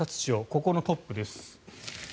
ここのトップです。